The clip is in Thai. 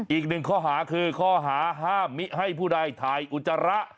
อีกหนึ่งข้อหาคือข้อหาห้ามมิให้ผู้ใดถ่ายอุจจาระ